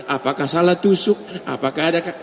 apakah salah tusuk apakah ada